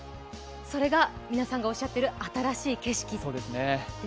それが皆さんがおっしゃってる「新しい景色」ですね。